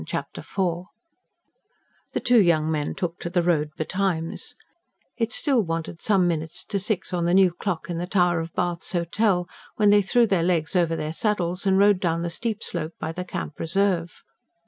Chapter IV The two young men took to the road betimes: it still wanted some minutes to six on the new clock in the tower of Bath's Hotel, when they threw their legs over their saddles and rode down the steep slope by the Camp Reserve.